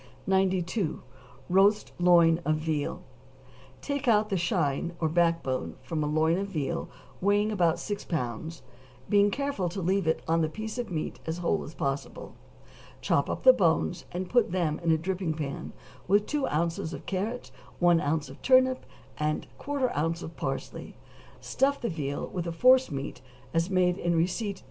92. =Roast Loin of Veal.= Take out the chine, or back bone, from a loin of veal weighing about six pounds, being careful to leave the piece of meat as whole as possible; chop up the bones and put them in a dripping pan with two ounces of carrot, one ounce of turnip, and quarter of an ounce of parsley; stuff the veal with a forcemeat made as in receipt No.